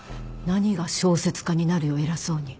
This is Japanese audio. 何が小説家になるよ偉そうに。